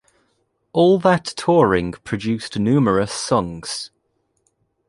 All that touring produced numerous songs.